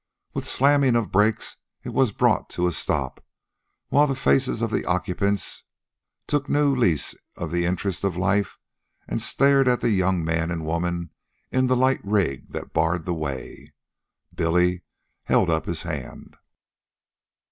With slamming of brakes it was brought to a stop, while the faces of the occupants took new lease of interest of life and stared at the young man and woman in the light rig that barred the way. Billy held up his hand.